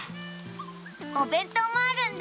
おべんとうもあるんだ。